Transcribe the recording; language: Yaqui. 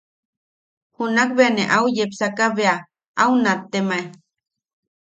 Junak bea au yepsaka bea, au nattemae: